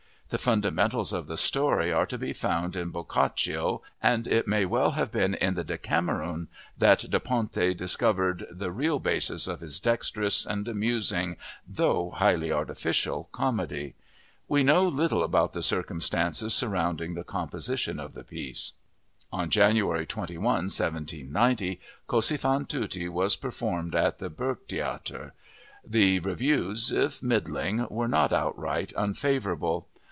The fundamentals of the story are to be found in Boccaccio and it may well have been in the Decameron that Da Ponte discovered the real basis of his dexterous and amusing, though highly artificial, comedy. We know little about the circumstances surrounding the composition of the piece. On January 21, 1790, Così fan tutte was performed at the Burgtheater. The reviews, if middling, were not outright unfavorable.